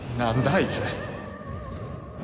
あいつ。